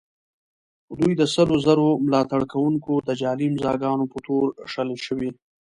دوی د سلو زرو ملاتړ کوونکو د جعلي امضاء ګانو په تور شړل شوي.